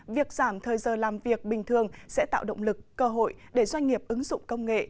việc giảm thời giờ làm việc bình thường sẽ tạo động lực cơ hội để doanh nghiệp ứng dụng công nghệ